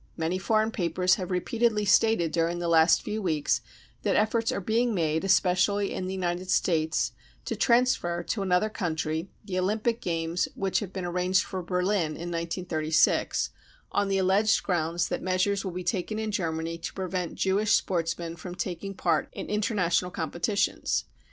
Many foreign papers have repeatedly stated during the last few weeks that efforts are being made, especially in the United States, to transfer to another country the Olympic Games which have been arranged for Berlin in 1936, on the alleged grounds that measures will be taken in Germany to prevent Jewish sportsmen from taking part in THE PERSECUTION OF JEWS *273 international competitions.